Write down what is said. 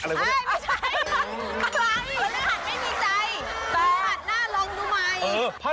ไม่ใช่พฤหัสไม่มีใจพฤหัสหน้าลองดูใหม่